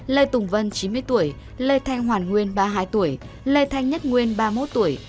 lê tùng vân chín mươi tuổi lê thanh hoàn nguyên ba mươi hai tuổi lê thanh nhất nguyên ba mươi một tuổi